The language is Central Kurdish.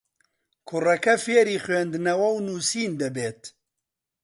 کوڕەکە فێری خوێندنەوە و نووسین دەبێت.